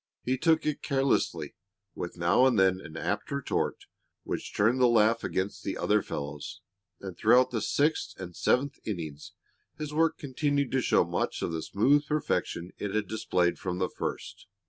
He took it carelessly, with now and then an apt retort which turned the laugh against the other fellows, and throughout the sixth and seventh innings his work continued to show much of the smooth perfection it had displayed from the first.